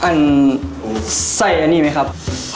อันใส่อันนี้ไหมครับ